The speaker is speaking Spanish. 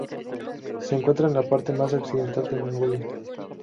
Se encuentra en la parte más occidental de Mongolia.